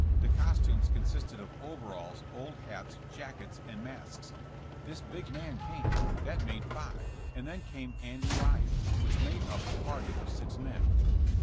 The costumes consisted of overalls, old hats, jackets and masks. This big man 126 JSSSS JAMSS. came, that made five, and then came Andy Ryan, which made up the party of six men.